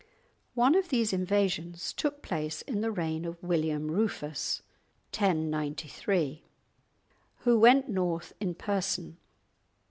One of these invasions took place in the reign of William Rufus (1093), who went north in person.